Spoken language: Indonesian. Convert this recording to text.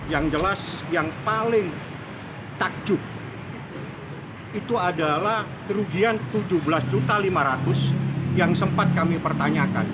yang jelas yang paling takjub itu adalah kerugian rp tujuh belas lima ratus yang sempat kami pertanyakan